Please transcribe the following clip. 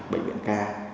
bệnh viện ca